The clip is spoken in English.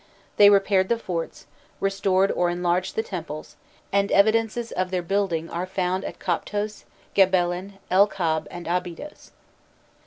They repaired the forts, restored or enlarged the temples, and evidences of their building are found at Koptos, Gebelên, El Kab, and Abydos.